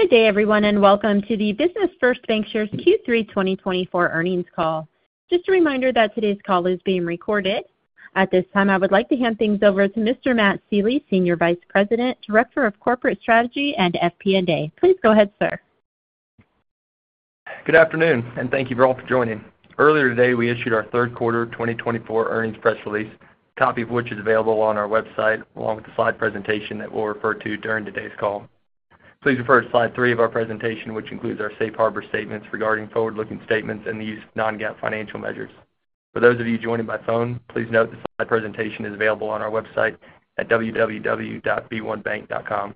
Good day, everyone, and welcome to the Business First Bancshares Q3 2024 earnings call. Just a reminder that today's call is being recorded. At this time, I would like to hand things over to Mr. Matt Sealy, Senior Vice President, Director of Corporate Strategy and FP&A. Please go ahead, sir. Good afternoon, and thank you all for joining. Earlier today, we issued our third quarter twenty twenty-four earnings press release, a copy of which is available on our website, along with the slide presentation that we'll refer to during today's call. Please refer to Slide 3 of our presentation, which includes our safe harbor statements regarding forward-looking statements and the use of non-GAAP financial measures. For those of you joining by phone, please note the slide presentation is available on our website at www.b1bank.com.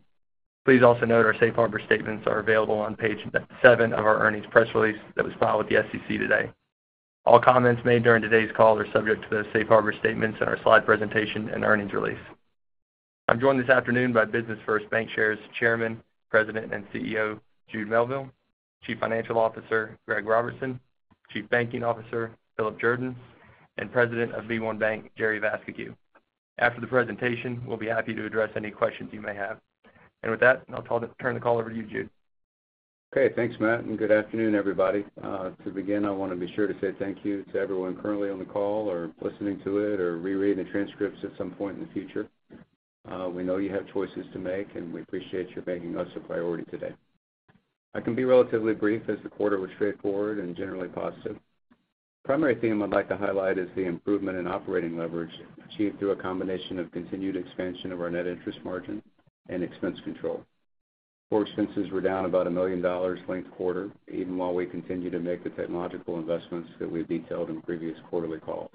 Please also note our safe harbor statements are available on Page 7 of our earnings press release that was filed with the SEC today. All comments made during today's call are subject to those safe harbor statements in our slide presentation and earnings release. I'm joined this afternoon by Business First Bancshares Chairman, President, and CEO Jude Melville, Chief Financial Officer Greg Robertson, Chief Banking Officer Philip Jordan, and President of b1BANK Jerry Vascocu. After the presentation, we'll be happy to address any questions you may have. With that, I'll turn the call over to you, Jude. Okay, thanks, Matt, and good afternoon, everybody. To begin, I want to be sure to say thank you to everyone currently on the call or listening to it or rereading the transcripts at some point in the future. We know you have choices to make, and we appreciate you making us a priority today. I can be relatively brief as the quarter was straightforward and generally positive. Primary theme I'd like to highlight is the improvement in operating leverage, achieved through a combination of continued expansion of our net interest margin and expense control. Core expenses were down about $1 million linked quarter, even while we continued to make the technological investments that we've detailed in previous quarterly calls.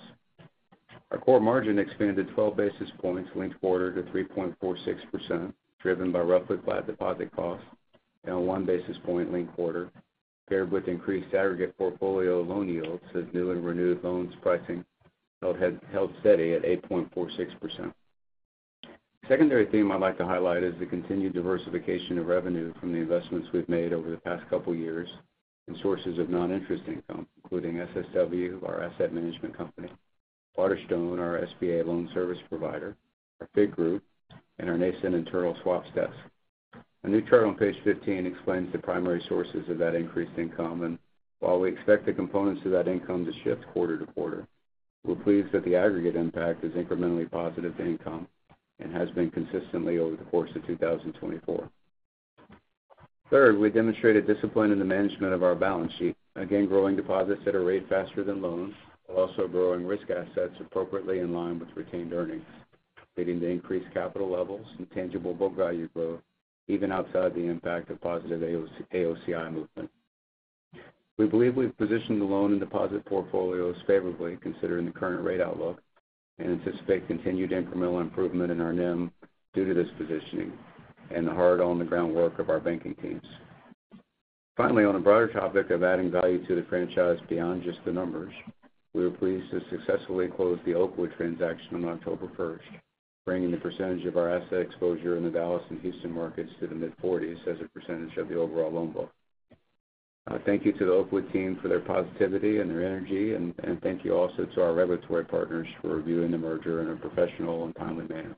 Our core margin expanded twelve basis points linked quarter to 3.46%, driven by roughly flat deposit costs and a one basis point linked quarter, paired with increased aggregate portfolio loan yields as new and renewed loans pricing held steady at 8.46%. Secondary theme I'd like to highlight is the continued diversification of revenue from the investments we've made over the past couple of years and sources of non-interest income, including SSW, our asset management company, Waterstone, our SBA loan service provider, our FIG group, and our nascent internal swaps desk. A new chart on Page 15 explains the primary sources of that increased income, and while we expect the components of that income to shift quarter to quarter, we're pleased that the aggregate impact is incrementally positive to income and has been consistently over the course of two thousand and twenty-four. Third, we demonstrated discipline in the management of our balance sheet, again, growing deposits at a rate faster than loans, while also growing risk assets appropriately in line with retained earnings, leading to increased capital levels and tangible book value growth, even outside the impact of positive AOCI movement. We believe we've positioned the loan and deposit portfolios favorably considering the current rate outlook, and anticipate continued incremental improvement in our NIM due to this positioning and the hard on-the-ground work of our banking teams. Finally, on a broader topic of adding value to the franchise beyond just the numbers, we were pleased to successfully close the Oakwood transaction on October first, bringing the percentage of our asset exposure in the Dallas and Houston markets to the mid-40s% as a percentage of the overall loan book. Thank you to the Oakwood team for their positivity and their energy, and thank you also to our regulatory partners for reviewing the merger in a professional and timely manner.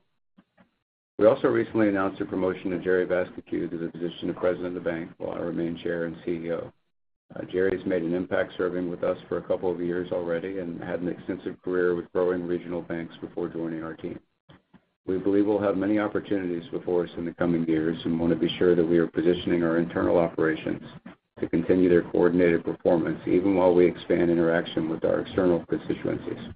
We also recently announced the promotion of Jerry Vascocu to the position of President of the bank, while I remain Chair and CEO. Jerry has made an impact serving with us for a couple of years already and had an extensive career with growing regional banks before joining our team. We believe we'll have many opportunities before us in the coming years and want to be sure that we are positioning our internal operations to continue their coordinated performance, even while we expand interaction with our external constituencies.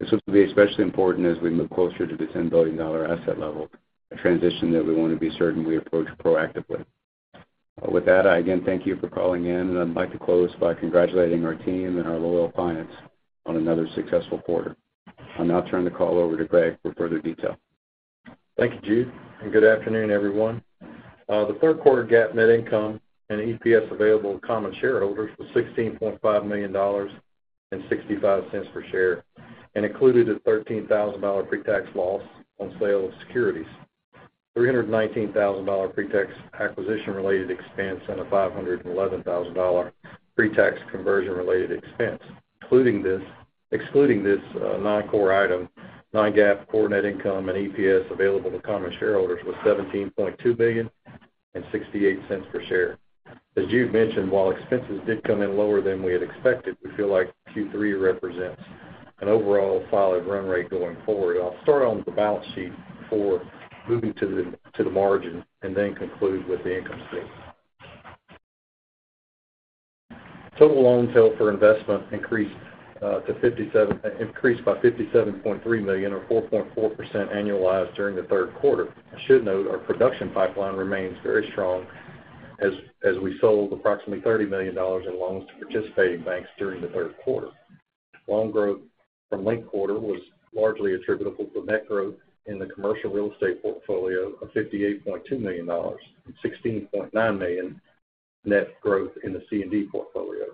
This will be especially important as we move closer to the ten billion-dollar asset level, a transition that we want to be certain we approach proactively. With that, I again thank you for calling in, and I'd like to close by congratulating our team and our loyal clients on another successful quarter. I'll now turn the call over to Greg for further detail. Thank you, Jude, and good afternoon, everyone. The third quarter GAAP net income and EPS available to common shareholders was $16.5 million and $0.65 per share and included a $13,000 pre-tax loss on sale of securities, $319,000 pre-tax acquisition-related expense, and $511,000 pre-tax conversion-related expense. Excluding this, non-core item, non-GAAP core net income and EPS available to common shareholders was $17.2 million and $0.68 per share. As Jude mentioned, while expenses did come in lower than we had expected, we feel like Q3 represents an overall solid run rate going forward. I'll start on the balance sheet before moving to the margin, and then conclude with the income statement. Total loans held for investment increased by $57.3 million or 4.4% annualized during the third quarter. I should note our production pipeline remains very strong as we sold approximately $30 million in loans to participating banks during the third quarter. Loan growth from linked quarter was largely attributable to net growth in the commercial real estate portfolio of $58.2 million and $16.9 million net growth in the C&D portfolio.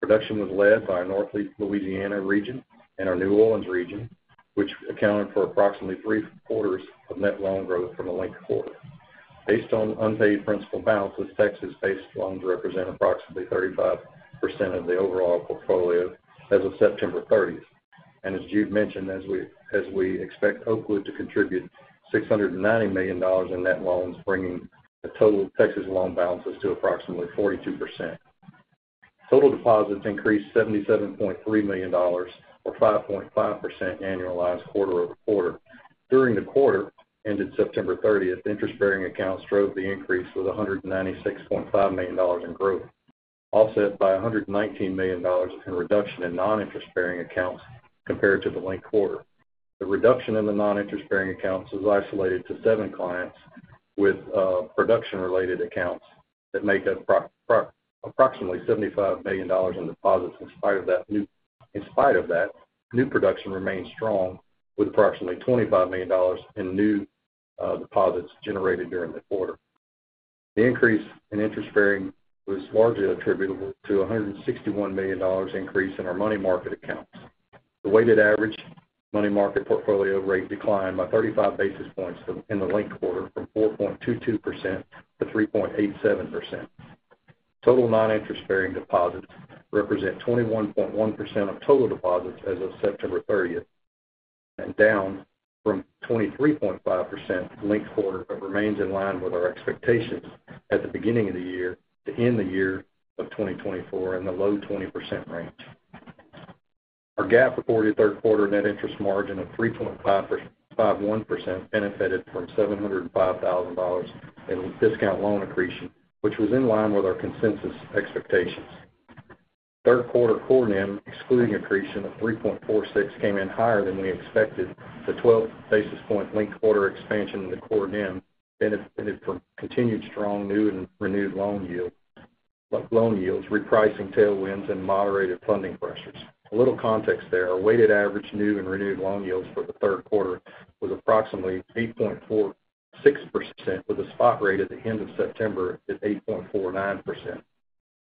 Production was led by our North Louisiana region and our New Orleans region, which accounted for approximately three-quarters of net loan growth from the linked quarter. Based on unpaid principal balances, Texas-based loans represent approximately 35% of the overall portfolio as of September 30th. And as Jude mentioned, as we expect Oakwood to contribute $690 million in net loans, bringing the total Texas loan balances to approximately 42%. Total deposits increased $77.3 million or 5.5% annualized quarter over quarter. During the quarter ended September thirtieth, interest-bearing accounts drove the increase with $196.5 million in growth, offset by $119 million in reduction in non-interest-bearing accounts compared to the linked quarter. The reduction in the non-interest-bearing accounts was isolated to seven clients with production-related accounts that make up approximately $75 million in deposits. In spite of that, new production remains strong, with approximately $25 million in new deposits generated during the quarter. The increase in interest bearing was largely attributable to $161 million increase in our money market accounts. The weighted average money market portfolio rate declined by 35 basis points in the linked quarter from 4.22%-3.87%. Total non-interest-bearing deposits represent 21.1% of total deposits as of September thirtieth, and down from 23.5% linked quarter, but remains in line with our expectations at the beginning of the year, to end the year of 2024 in the low twenty percent range. Our GAAP-reported third quarter net interest margin of 3.551% benefited from $705,000 in discount loan accretion, which was in line with our consensus expectations. Third quarter core NIM, excluding accretion of 3.46, came in higher than we expected. The 12 basis point linked quarter expansion in the core NIM benefited from continued strong new and renewed loan yield, like loan yields, repricing tailwinds, and moderated funding pressures. A little context there. Our weighted average new and renewed loan yields for the third quarter was approximately 8.46%, with a spot rate at the end of September at 8.49%.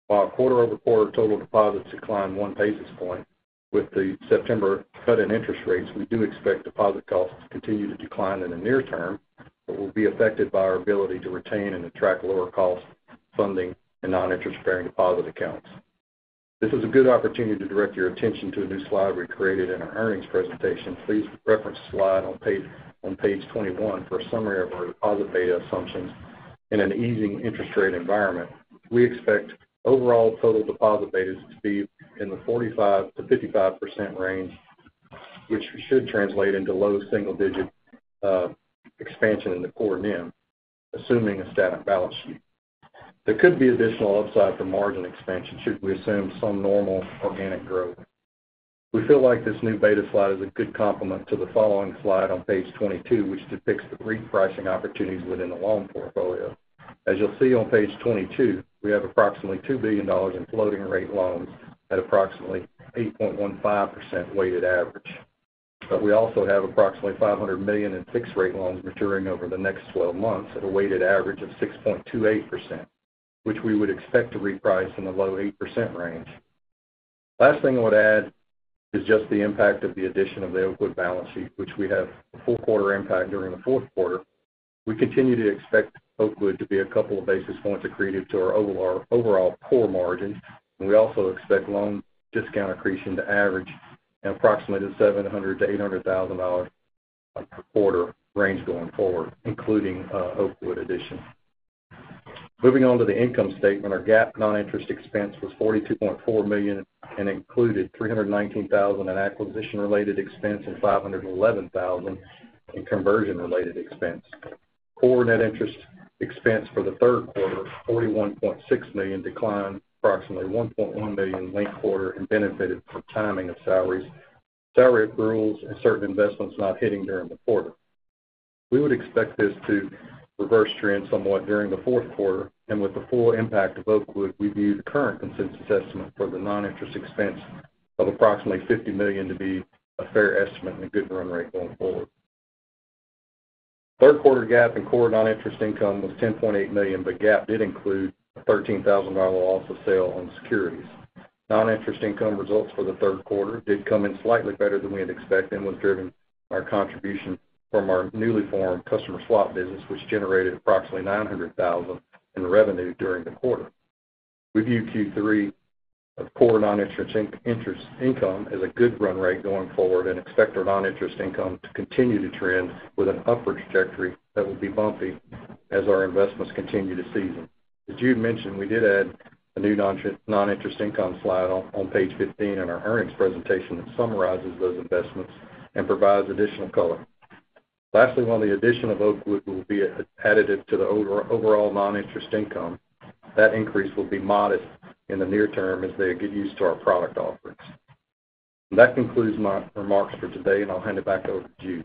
While quarter over quarter total deposits declined 1 basis point, with the September cut in interest rates, we do expect deposit costs to continue to decline in the near term, but will be affected by our ability to retain and attract lower cost funding and non-interest-bearing deposit accounts. This is a good opportunity to direct your attention to a new slide we created in our earnings presentation. Please reference the slide on Page 21 for a summary of our deposit beta assumptions in an easing interest rate environment. We expect overall total deposit betas to be in the 45%-55% range, which should translate into low single digit expansion in the core NIM, assuming a static balance sheet. There could be additional upside for margin expansion should we assume some normal organic growth. We feel like this new beta slide is a good complement to the following slide on Page 22, which depicts the repricing opportunities within the loan portfolio. As you'll see on Page 22, we have approximately $2 billion in floating rate loans at approximately 8.15% weighted average. But we also have approximately $500 million in fixed rate loans maturing over the next 12 months at a weighted average of 6.28%, which we would expect to reprice in the low 8% range. Last thing I would add is just the impact of the addition of the Oakwood balance sheet, which we have a full quarter impact during the fourth quarter. We continue to expect Oakwood to be a couple of basis points accretive to our overall core margin, and we also expect loan discount accretion to average an approximated $700,000-$800,000 per quarter range going forward, including Oakwood addition. Moving on to the income statement, our GAAP non-interest expense was $42.4 million and included $319,000 in acquisition-related expense and $511,000 in conversion-related expense. Core net interest expense for the third quarter, $41.6 million, declined approximately $1.1 million linked quarter and benefited from timing of salaries, salary accruals, and certain investments not hitting during the quarter. We would expect this to reverse trend somewhat during the fourth quarter, and with the full impact of Oakwood, we view the current consensus estimate for the non-interest expense of approximately $50 million to be a fair estimate and a good run rate going forward. Third quarter GAAP and core non-interest income was $10.8 million, but GAAP did include a $13,000 dollar loss of sale on securities. Non-interest income results for the third quarter did come in slightly better than we had expected and was driven by contribution from our newly formed customer swap business, which generated approximately $900,000 in revenue during the quarter. We view Q3 of core non-interest income as a good run rate going forward and expect our non-interest income to continue to trend with an upward trajectory that will be bumpy as our investments continue to season. As Jude mentioned, we did add a new non-interest income slide on Page 15 in our earnings presentation that summarizes those investments and provides additional color. Lastly, while the addition of Oakwood will be additive to the overall non-interest income, that increase will be modest in the near term as they get used to our product offerings. That concludes my remarks for today, and I'll hand it back over to Jude.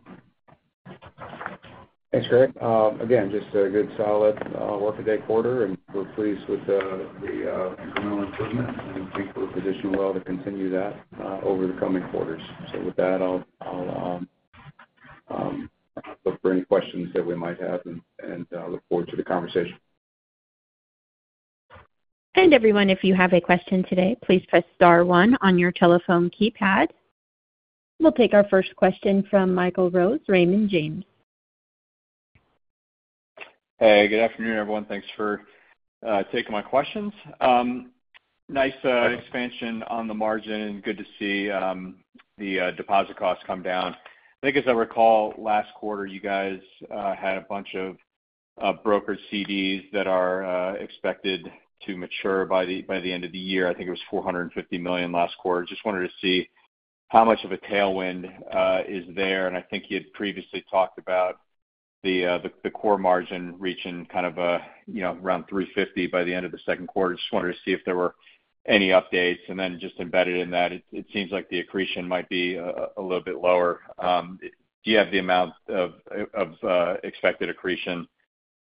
Thanks, Greg. Again, just a good, solid, workaday quarter, and we're pleased with the incremental improvement, and I think we're positioned well to continue that over the coming quarters. So with that, I'll look for any questions that we might have and look forward to the conversation. Everyone, if you have a question today, please press star one on your telephone keypad. We'll take our first question from Michael Rose, Raymond James. Hey, good afternoon, everyone. Thanks for taking my questions. Nice expansion on the margin, and good to see the deposit costs come down. I think as I recall, last quarter, you guys had a bunch of brokered CDs that are expected to mature by the end of the year. I think it was $450 million last quarter. Just wanted to see how much of a tailwind is there? I think you had previously talked about the core margin reaching kind of a, you know, around 3.50 by the end of the second quarter. Just wanted to see if there were any updates. Then just embedded in that, it seems like the accretion might be a little bit lower. Do you have the amount of expected accretion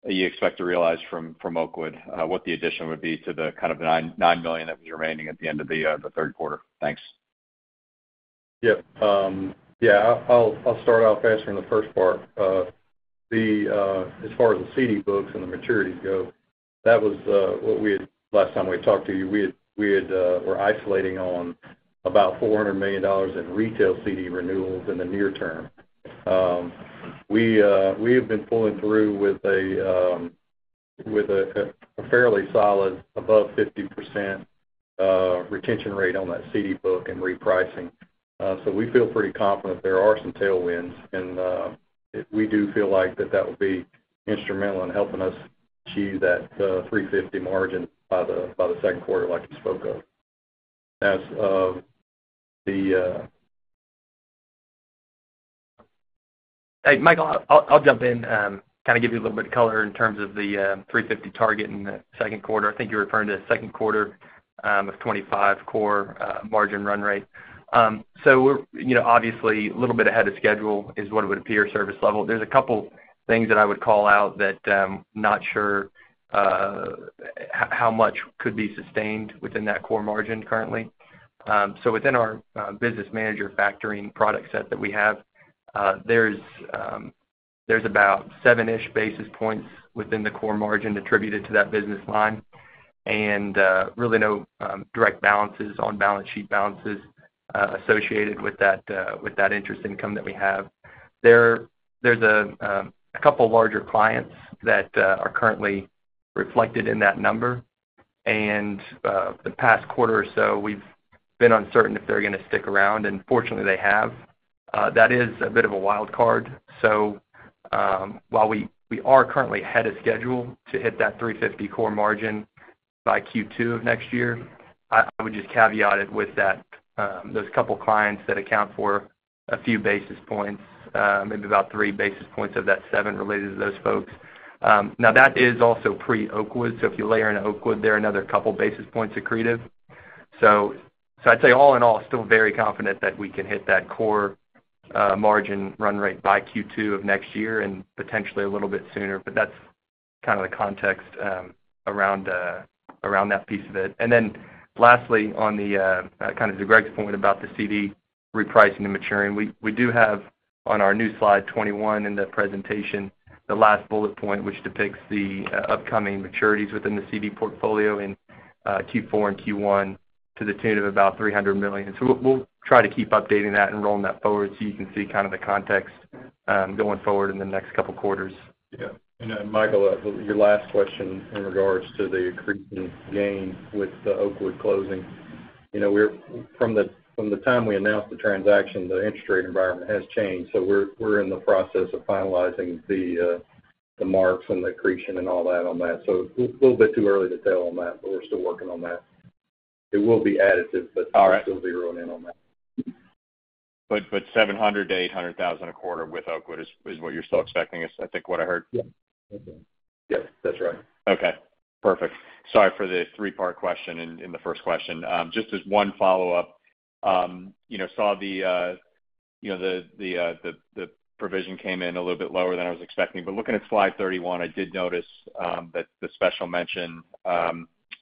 you expect to realize from Oakwood, what the addition would be to the kind of the nine million that was remaining at the end of the third quarter? Thanks. Yep. Yeah, I'll start out answering the first part. As far as the CD books and the maturity go, that was what we had last time we talked to you. We had isolated on about $400 million in retail CD renewals in the near term. We have been pulling through with a fairly solid above 50% retention rate on that CD book and repricing. So we feel pretty confident there are some tailwinds, and we do feel like that will be instrumental in helping us achieve that 3.50 margin by the second quarter, like I spoke of. As of the Hey, Michael, I'll jump in, kind of give you a little bit of color in terms of the three fifty target in the second quarter. I think you're referring to the second quarter of twenty-five core margin run rate. So we're, you know, obviously, a little bit ahead of schedule is what it would appear, service level. There's a couple things that I would call out that I'm not sure how much could be sustained within that core margin currently. So within our Business Manager factoring product set that we have, there's about seven-ish basis points within the core margin attributed to that business line, and really no direct balances on balance sheet balances associated with that with that interest income that we have. There's a couple larger clients that are currently reflected in that number, and the past quarter or so, we've been uncertain if they're going to stick around, and fortunately, they have. That is a bit of a wild card. While we are currently ahead of schedule to hit that three fifty core margin by Q2 of next year, I would just caveat it with that, those couple clients that account for a few basis points, maybe about three basis points of that seven related to those folks. Now, that is also pre-Oakwood. So if you layer in Oakwood, there are another couple basis points accretive. So I'd say all in all, still very confident that we can hit that core margin run rate by Q2 of next year and potentially a little bit sooner, but that's kind of the context around that piece of it. And then lastly, on the kind of to Greg's point about the CD repricing and maturing, we do have on our new Slide 21 in the presentation, the last bullet point, which depicts the upcoming maturities within the CD portfolio in Q4 and Q1 to the tune of about $300 million. So we'll try to keep updating that and rolling that forward so you can see kind of the context going forward in the next couple of quarters. Yeah. And, Michael, your last question in regards to the accretion gain with the Oakwood closing. You know, we're - from the time we announced the transaction, the interest rate environment has changed, so we're in the process of finalizing the marks and the accretion and all that on that. So a little bit too early to tell on that, but we're still working on that. It will be additive- All right. But we're still zeroing in on that. But $700,000-$800,000 a quarter with Oakwood is what you're still expecting, I think what I heard? Yep. Yep, that's right. Okay, perfect. Sorry for the three-part question in the first question. Just as one follow-up, you know, saw the provision came in a little bit lower than I was expecting. But looking at Slide 31, I did notice that the special mention,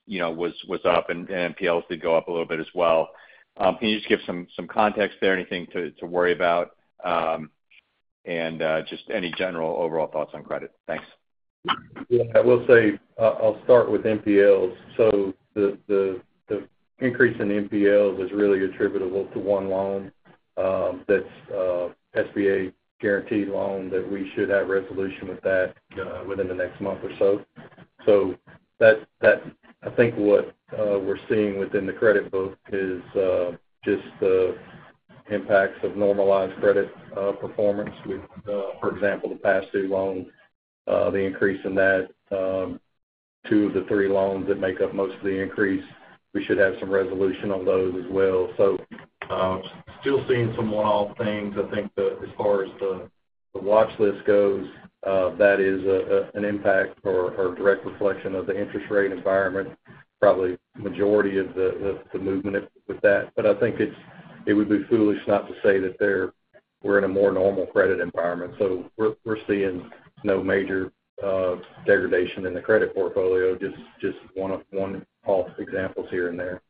you know, was up, and NPLs did go up a little bit as well. Can you just give some context there? Anything to worry about? And just any general overall thoughts on credit? Thanks. Yeah, I will say, I'll start with NPLs. So the increase in NPLs is really attributable to one loan, that's a SBA guaranteed loan, that we should have resolution with that, within the next month or so. So that. I think what we're seeing within the credit book is just the impacts of normalized credit performance. With, for example, the past due loans, the increase in that, two of the three loans that make up most of the increase, we should have some resolution on those as well. So, still seeing some one-off things. I think as far as the watch list goes, that is an impact or a direct reflection of the interest rate environment, probably majority of the movement with that. But I think it would be foolish not to say that we're in a more normal credit environment. So we're seeing no major degradation in the credit portfolio, just one-off examples here and there.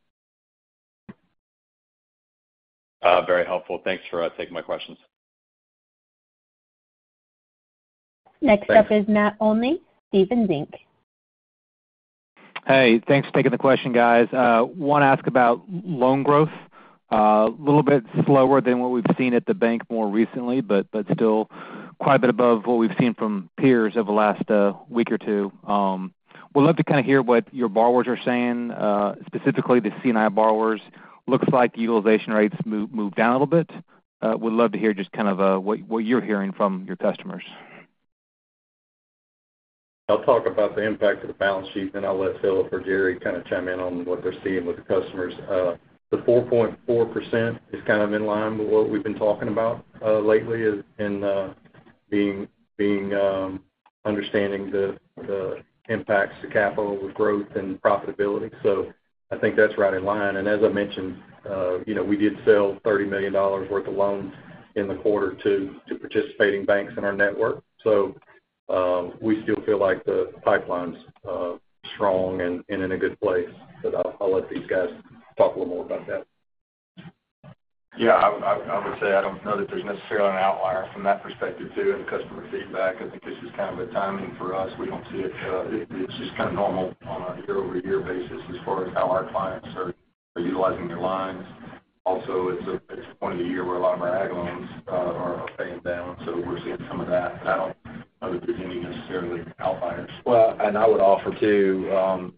Very helpful. Thanks for taking my questions. Next up is Matt Olney, Stephens Inc. Hey, thanks for taking the question, guys. Want to ask about loan growth. A little bit slower than what we've seen at the bank more recently, but still quite a bit above what we've seen from peers over the last week or two. Would love to kind of hear what your borrowers are saying, specifically the C&I borrowers. Looks like the utilization rates moved down a little bit. Would love to hear just kind of what you're hearing from your customers. I'll talk about the impact of the balance sheet, and I'll let Philip or Jerry kind of chime in on what they're seeing with the customers. The 4.4% is kind of in line with what we've been talking about lately in being understanding the impacts to capital with growth and profitability. So I think that's right in line, and as I mentioned, you know, we did sell $30 million worth of loans in the quarter to participating banks in our network. So we still feel like the pipeline's strong and in a good place, but I'll let these guys talk a little more about that. Yeah, I would say I don't know that there's necessarily an outlier from that perspective, too, in customer feedback. I think this is kind of the timing for us. We don't see it. It's just kind of normal on a year-over-year basis as far as how our clients are utilizing their lines. Also, it's a point of the year where a lot of our ag loans are paying down, so we're seeing some of that. I don't think there's any necessarily outliers. I would offer, too,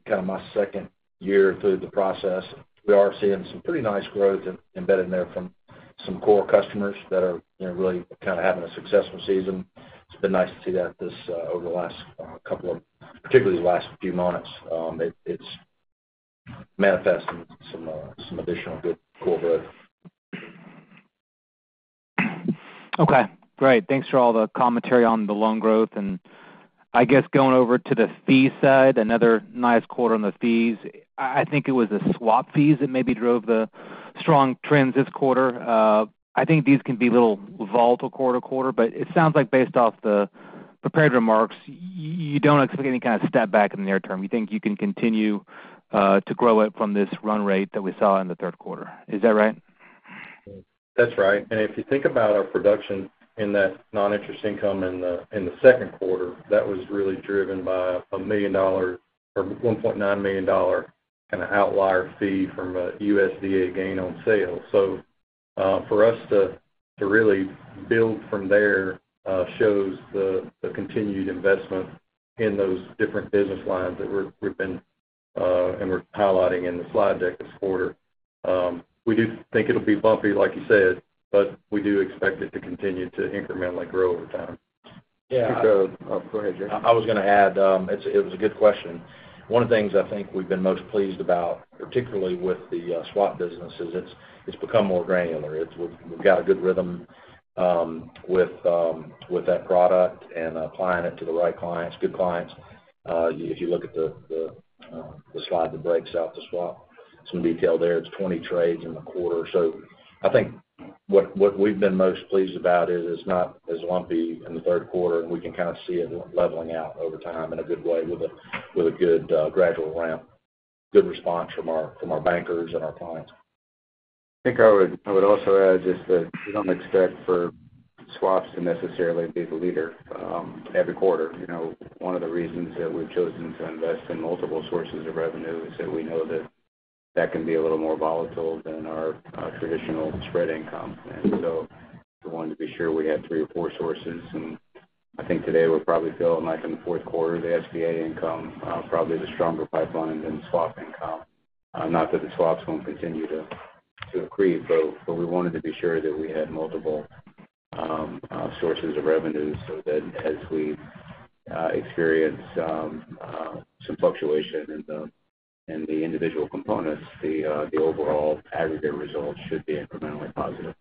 kind of my second year through the process. We are seeing some pretty nice growth embedded there from some core customers that are, you know, really kind of having a successful season. It's been nice to see that this over the last couple of, particularly the last few months. It's manifesting some additional good core growth. Okay, great. Thanks for all the commentary on the loan growth. And I guess going over to the fee side, another nice quarter on the fees. I think it was the swap fees that maybe drove the strong trends this quarter. I think these can be a little volatile quarter to quarter, but it sounds like based off the prepared remarks, you don't expect any kind of step back in the near term. You think you can continue to grow it from this run rate that we saw in the third quarter. Is that right? That's right. And if you think about our production in that non-interest income in the second quarter, that was really driven by a $1 million, or $1.9 million kind of outlier fee from a USDA gain on sale. So, for us to really build from there, shows the continued investment in those different business lines that we've been and we're highlighting in the slide deck this quarter. We do think it'll be bumpy, like you said, but we do expect it to continue to incrementally grow over time. Yeah, uh- Go ahead, Jerry. I was going to add, it was a good question. One of the things I think we've been most pleased about, particularly with the swap business, is it's become more granular. We've got a good rhythm with that product and applying it to the right clients, good clients. If you look at the slide that breaks out the swap, some detail there, it's 20 trades in the quarter. So I think what we've been most pleased about is it's not as lumpy in the third quarter, and we can kind of see it leveling out over time in a good way with a good gradual ramp. Good response from our bankers and our clients. I think I would also add just that we don't expect for swaps to necessarily be the leader every quarter. You know, one of the reasons that we've chosen to invest in multiple sources of revenue is that we know that it can be a little more volatile than our traditional spread income. And so we wanted to be sure we had three or four sources, and I think today we're probably feeling like in the fourth quarter, the SBA income probably the stronger pipeline than swap income. Not that the swaps won't continue to accrete, but we wanted to be sure that we had multiple sources of revenue so that as we experience some fluctuation in the individual components, the overall aggregate results should be incrementally positive.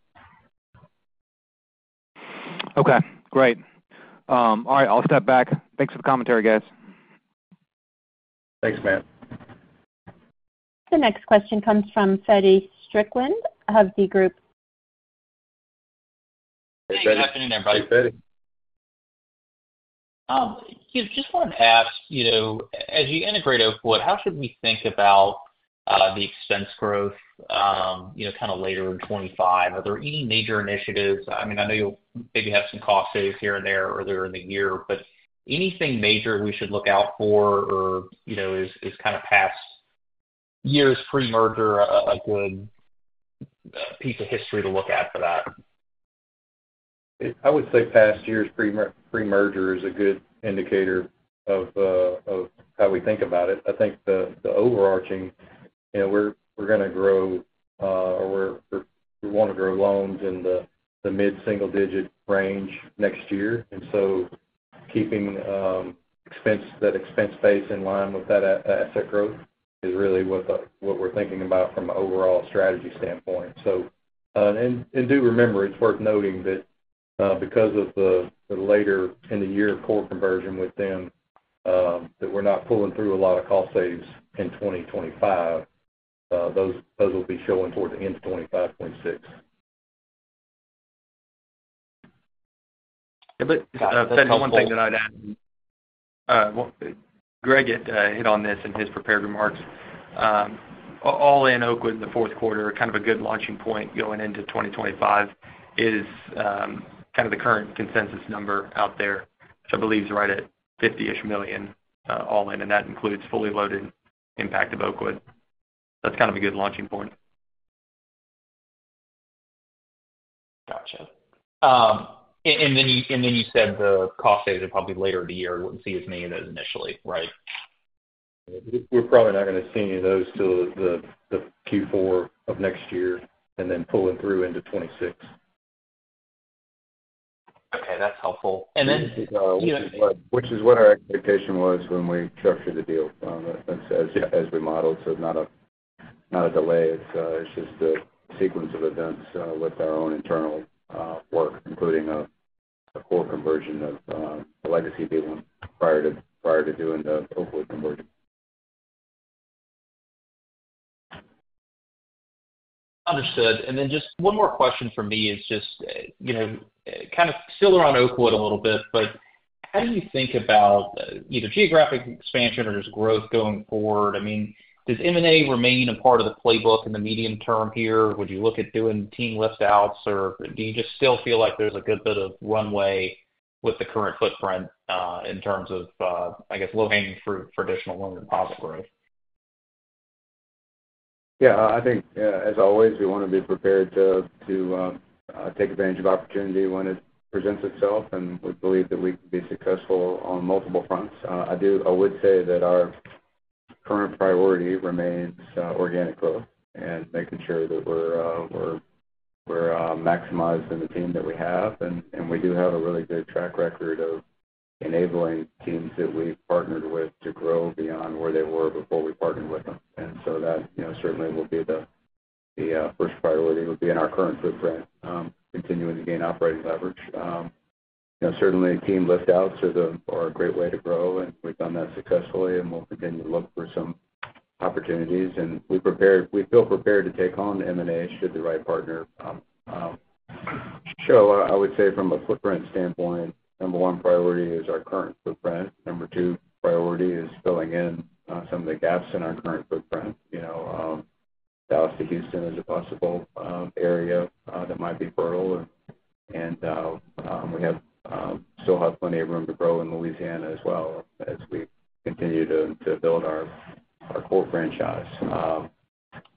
Okay, great. All right, I'll step back. Thanks for the commentary, guys. Thanks, Matt. The next question comes from Feddie Strickland of Hovde Group. Hey, Feddie. Good afternoon, everybody. Hey, Feddie. Just wanted to ask, you know, as you integrate Oakwood, how should we think about the expense growth, you know, kind of later in 2025? Are there any major initiatives? I mean, I know you'll maybe have some cost saves here and there earlier in the year, but anything major we should look out for or, you know, is kind of past years pre-merger a good piece of history to look at for that? I would say past years pre-merger is a good indicator of how we think about it. I think the overarching, you know, we're going to grow or we want to grow loans in the mid-single-digit range next year. And so keeping that expense base in line with that asset growth is really what we're thinking about from an overall strategy standpoint. So, do remember, it's worth noting that because of the later in the year core conversion with them that we're not pulling through a lot of cost saves in 2025. Those will be showing towards the end of 2025, 2026. But, one thing that I'd add, well, Greg had hit on this in his prepared remarks. all in Oakwood in the fourth quarter, kind of a good launching point going into 2025 is, kind of the current consensus number out there, which I believe is right at $50-ish million, all in, and that includes fully loaded impact of Oakwood. That's kind of a good launching point. Gotcha. And then you said the cost savings are probably later in the year, wouldn't see as many of those initially, right? We're probably not gonna see any of those till the Q4 of next year, and then pulling through into 2026. Okay, that's helpful. And then, you know- Which is what our expectation was when we structured the deal, as we modeled. So it's not a delay, it's just a sequence of events with our own internal work, including a core conversion of the legacy b1 prior to doing the Oakwood conversion. Understood. And then just one more question from me is just, you know, kind of still around Oakwood a little bit, but how do you think about either geographic expansion or just growth going forward? I mean, does M&A remain a part of the playbook in the medium term here? Would you look at doing team lift-outs, or do you just still feel like there's a good bit of runway with the current footprint, in terms of, I guess, low-hanging fruit for additional loan deposit growth? Yeah, I think, as always, we want to be prepared to take advantage of opportunity when it presents itself, and we believe that we can be successful on multiple fronts. I would say that our current priority remains organic growth and making sure that we're maximized in the team that we have. And we do have a really good track record of enabling teams that we've partnered with to grow beyond where they were before we partnered with them. And so that, you know, certainly will be the first priority will be in our current footprint, continuing to gain operating leverage. You know, certainly, team lift outs are a great way to grow, and we've done that successfully, and we'll continue to look for some opportunities, and we prepared, we feel prepared to take on the M&A should the right partner come. So I would say from a footprint standpoint, number one priority is our current footprint. Number two priority is filling in some of the gaps in our current footprint. You know, Dallas to Houston is a possible area that might be fertile, and we still have plenty of room to grow in Louisiana as well, as we continue to build our core franchise.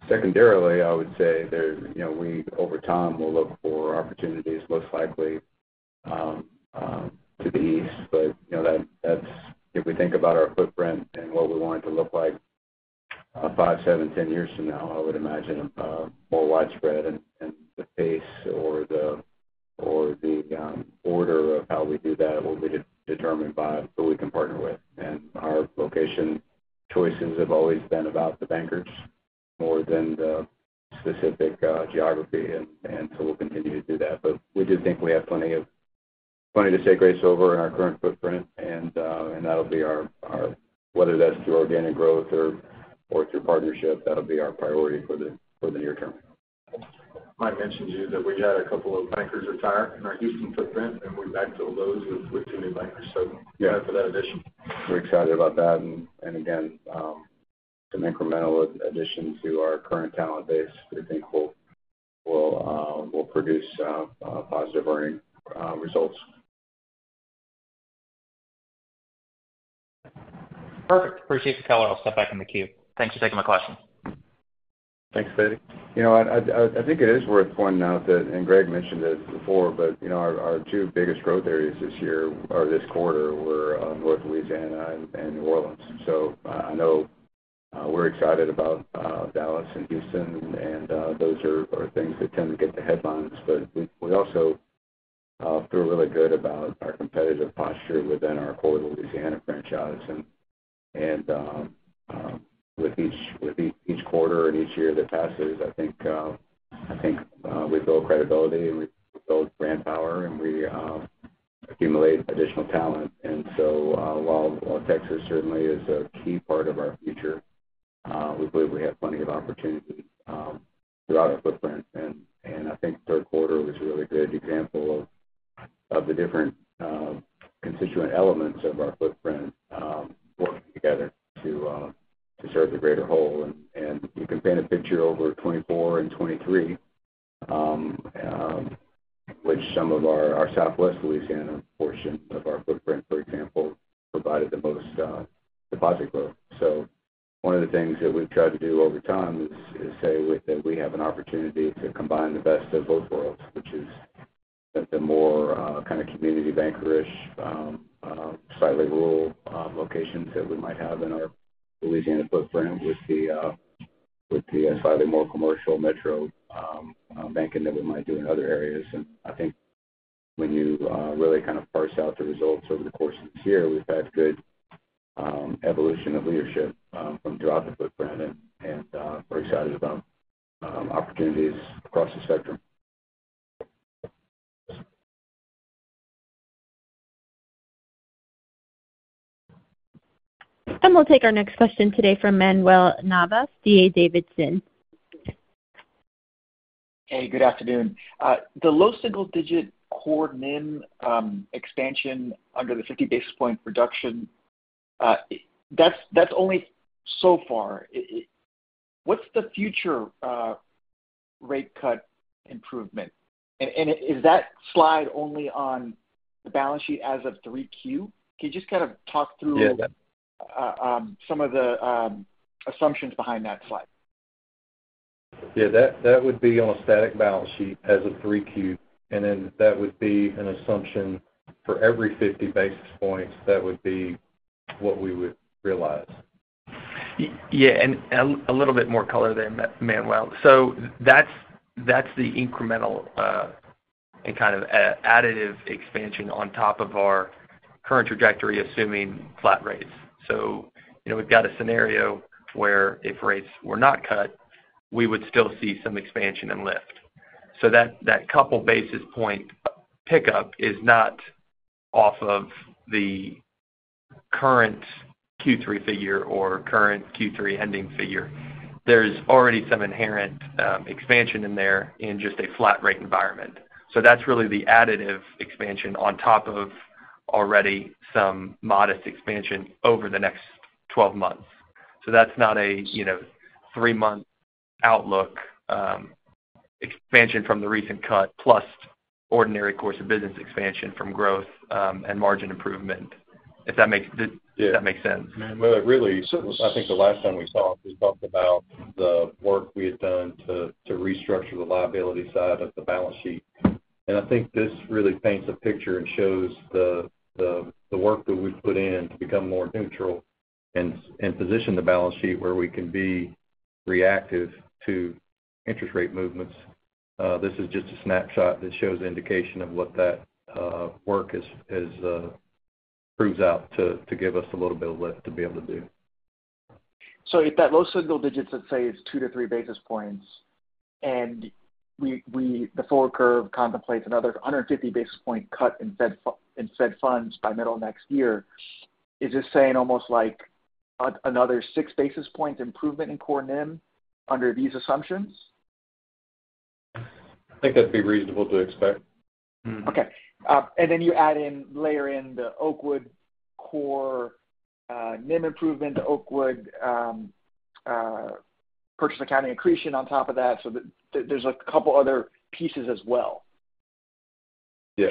Secondarily, I would say there, you know, we, over time, will look for opportunities, most likely to the east. But, you know, that's if we think about our footprint and what we want it to look like five, seven, 10 years from now, I would imagine more widespread and the pace or the order of how we do that will be determined by who we can partner with. And our location choices have always been about the bankers more than the specific geography, and so we'll continue to do that. But we do think we have plenty to do even in our current footprint, and that'll be our priority for the near term whether that's through organic growth or through partnership. I might mention to you that we had a couple of bankers retire in our Houston footprint, and we backfilled those with two new bankers, so. Yeah. We're excited for that addition. We're excited about that, and again, an incremental addition to our current talent base, we think will produce positive earnings results. Perfect. Appreciate the color. I'll step back in the queue. Thanks for taking my question. Thanks, Feddie. You know, I think it is worth pointing out that, and Greg mentioned this before, but, you know, our two biggest growth areas this year or this quarter were North Louisiana and New Orleans. So, I know we're excited about Dallas and Houston, and those are things that tend to get the headlines. But we also feel really good about our competitive posture within our core Louisiana franchise. And with each quarter and each year that passes, I think we build credibility, and we build brand power, and we accumulate additional talent. And so, while Texas certainly is a key part of our future, we believe we have plenty of opportunities throughout our footprint. I think third quarter was a really good example of the different constituent elements of our footprint working together to serve the greater whole. You can paint a picture over 2024 and 2023, which some of our Southwest Louisiana portion of our footprint, for example, provided the most deposit growth. One of the things that we've tried to do over time is say that we have an opportunity to combine the best of both worlds, which is the more kind of community banker-ish slightly rural locations that we might have in our Louisiana footprint with the slightly more commercial metro banking that we might do in other areas. And I think when you really kind of parse out the results over the course of this year, we've had good evolution of leadership from throughout the footprint and we're excited about opportunities across the spectrum. And we'll take our next question today from Manuel Navas, D.A. Davidson. Hey, good afternoon. The low single-digit core NIM expansion under the fifty basis point reduction, that's only so far. What's the future rate cut improvement? And is that slide only on the balance sheet as of 3Q? Can you just kind of talk through- Yeah. some of the assumptions behind that slide? Yeah, that would be on a static balance sheet as of 3Q, and then that would be an assumption for every 50 basis points. That would be what we would realize. Yeah, and a little bit more color there, Manuel. So that's the incremental and kind of additive expansion on top of our current trajectory, assuming flat rates. So, you know, we've got a scenario where if rates were not cut, we would still see some expansion and lift. So that couple basis point pickup is not off of the current Q3 figure or current Q3 ending figure. There's already some inherent expansion in there in just a flat rate environment. So that's really the additive expansion on top of already some modest expansion over the next twelve months. So that's not a, you know, three-month outlook, expansion from the recent cut, plus ordinary course of business expansion from growth, and margin improvement, if that makes the- Yeah. If that makes sense. It really, so I think the last time we talked, we talked about the work we had done to restructure the liability side of the balance sheet. And I think this really paints a picture and shows the work that we've put in to become more neutral and position the balance sheet where we can be reactive to interest rate movements. This is just a snapshot that shows indication of what that work is proves out to give us a little bit of lift to be able to do. If that low single digits, let's say, is two to three basis points, and we the forward curve contemplates another hundred and fifty basis points cut in Fed funds by middle of next year, is this saying almost like another six basis points improvement in core NIM under these assumptions? I think that'd be reasonable to expect. Okay. And then you add in, layer in the Oakwood core, NIM improvement, Oakwood, purchase accounting accretion on top of that, so there's a couple other pieces as well. Yeah.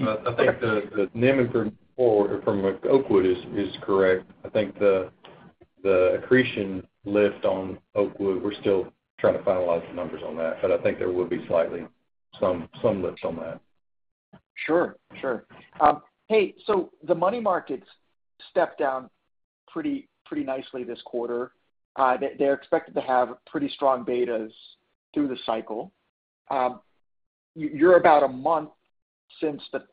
Okay. I think the NIM from before, from Oakwood is correct. I think the accretion lift on Oakwood, we're still trying to finalize the numbers on that, but I think there will be slightly some lifts on that. Sure, sure. Hey, so the money markets stepped down pretty, pretty nicely this quarter. They, they're expected to have pretty strong betas through the cycle. You're about a month since the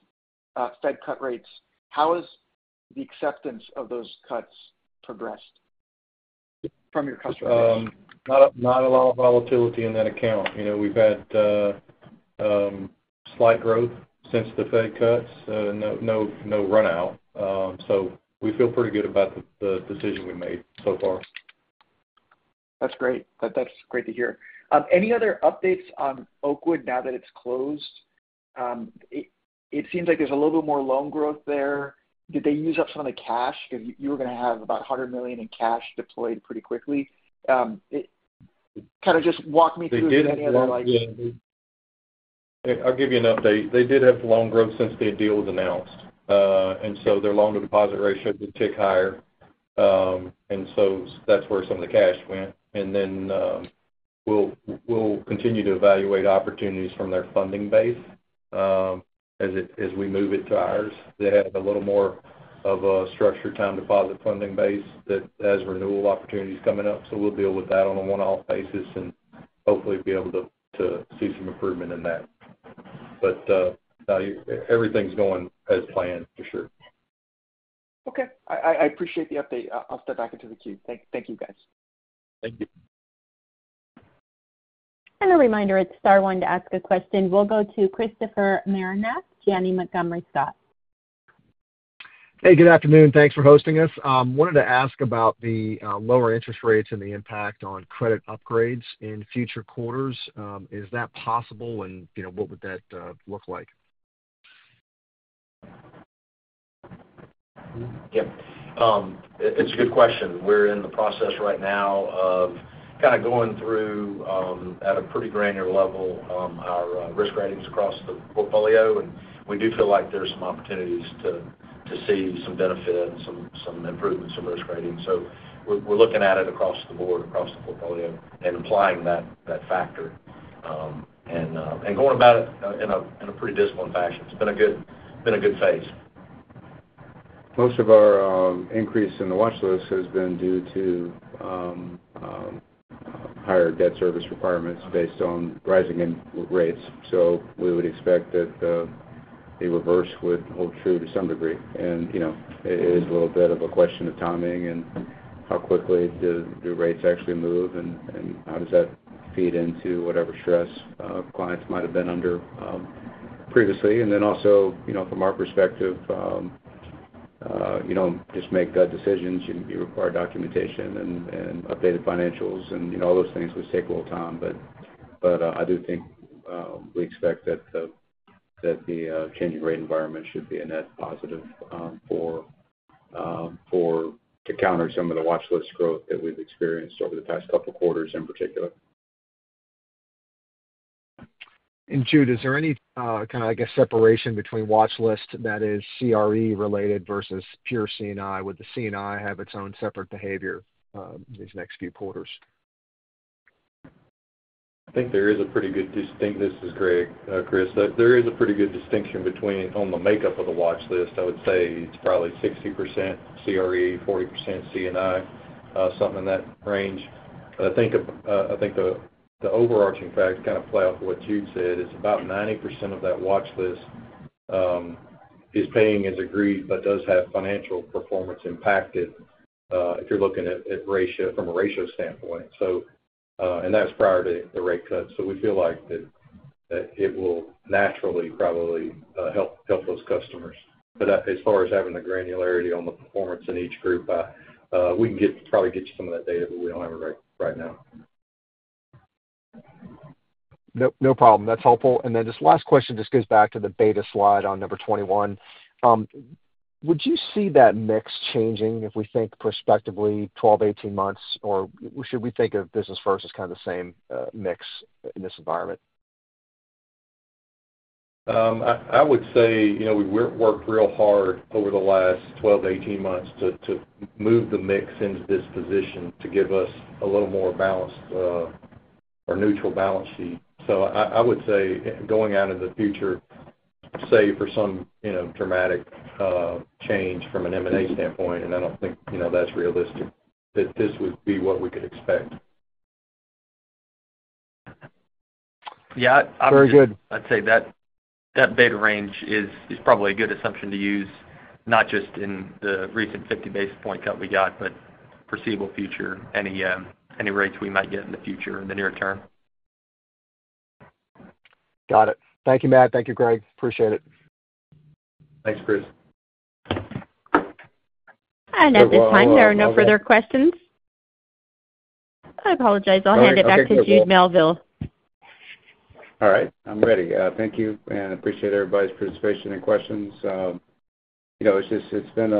Fed cut rates. How has the acceptance of those cuts progressed from your customers? Not a lot of volatility in that account. You know, we've had slight growth since the Fed cuts, no run-out. So we feel pretty good about the decision we made so far. That's great. That's great to hear. Any other updates on Oakwood now that it's closed? It seems like there's a little bit more loan growth there. Did they use up some of the cash? Because you were gonna have about $100 million in cash deployed pretty quickly. Kind of just walk me through any other, like- They did. I'll give you an update. They did have loan growth since the deal was announced. And so their loan-to-deposit ratio did tick higher. That's where some of the cash went. And then, we'll continue to evaluate opportunities from their funding base, as we move it to ours. They have a little more of a structured time deposit funding base that has renewal opportunities coming up, so we'll deal with that on a one-off basis, and hopefully be able to see some improvement in that. But, everything's going as planned, for sure. Okay. I appreciate the update. I'll step back into the queue. Thank you, guys. Thank you. A reminder, it's star one to ask a question. We'll go to Christopher Marinac, Janney Montgomery Scott. Hey, good afternoon. Thanks for hosting us. Wanted to ask about the lower interest rates and the impact on credit upgrades in future quarters. Is that possible? And, you know, what would that look like? Yep. It's a good question. We're in the process right now of kind of going through at a pretty granular level our risk ratings across the portfolio, and we do feel like there are some opportunities to see some benefit and some improvements in risk rating, so we're looking at it across the board, across the portfolio, and applying that factor and going about it in a pretty disciplined fashion. It's been a good phase. Most of our increase in the watch list has been due to higher debt service requirements based on rising rates. So we would expect that a reverse would hold true to some degree. And you know it is a little bit of a question of timing and how quickly do rates actually move, and how does that feed into whatever stress clients might have been under previously. And then also you know from our perspective. you know, just make the decisions, you require documentation and updated financials, and, you know, all those things which take a little time. But, I do think we expect that the changing rate environment should be a net positive for to counter some of the watch list growth that we've experienced over the past couple quarters, in particular. Jude, is there any kind of, I guess, separation between watchlist that is CRE related versus pure C&I? Would the C&I have its own separate behavior these next few quarters? This is Greg, Chris. There is a pretty good distinction between on the makeup of the watchlist. I would say it's probably 60% CRE, 40% C&I, something in that range. But I think the overarching fact, kind of play off what Jude said, is about 90% of that watchlist is paying as agreed, but does have financial performance impacted if you're looking at ratios from a ratio standpoint. So, and that's prior to the rate cut. So we feel like that it will naturally probably help those customers. But as far as having the granularity on the performance in each group, we can probably get you some of that data, but we don't have it right now. Nope, no problem. That's helpful. And then just last question, just goes back to the beta slide on number twenty-one. Would you see that mix changing if we think prospectively twelve to eighteen months, or should we think of Business First as kind of the same, mix in this environment? I would say, you know, we worked real hard over the last 12 to 18 months to move the mix into this position, to give us a little more balanced or neutral balance sheet. So I would say, going out into the future, save for some, you know, dramatic change from an M&A standpoint, and I don't think, you know, that's realistic, that this would be what we could expect. Yeah. Very good. I'd say that beta range is probably a good assumption to use, not just in the recent 50 basis point cut we got, but foreseeable future, any rates we might get in the future, in the near term. Got it. Thank you, Matt. Thank you, Greg. Appreciate it. Thanks, Chris. At this time, there are no further questions. I apologize. I'll hand it back to Jude Melville. All right, I'm ready. Thank you, and appreciate everybody's participation and questions. You know, it's just, it's been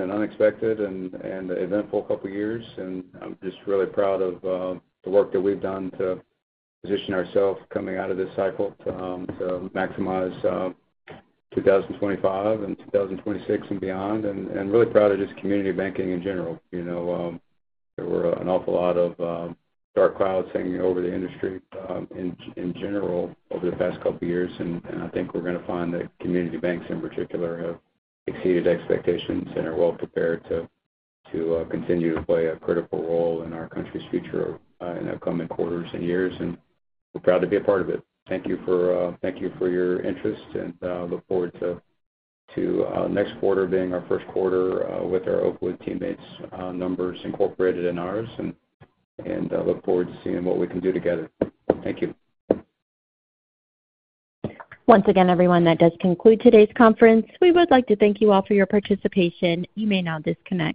an unexpected and eventful couple of years, and I'm just really proud of the work that we've done to position ourselves coming out of this cycle to maximize 2025 and 2026 and beyond, and really proud of just community banking in general. You know, there were an awful lot of dark clouds hanging over the industry in general over the past couple of years, and I think we're going to find that community banks, in particular, have exceeded expectations and are well prepared to continue to play a critical role in our country's future in the upcoming quarters and years, and we're proud to be a part of it. Thank you for your interest, and look forward to next quarter being our first quarter with our Oakwood teammates' numbers incorporated in ours, and look forward to seeing what we can do together. Thank you. Once again, everyone, that does conclude today's conference. We would like to thank you all for your participation. You may now disconnect.